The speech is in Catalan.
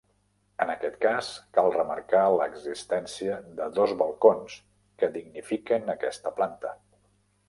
En aquest cas, cal remarcar l'existència de dos balcons que dignifiquen aquesta planta.